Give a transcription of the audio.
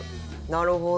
なるほど。